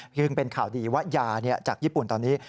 ยังเป็นข่าวดีว่ายาจากญี่ปุ่นตอนนี้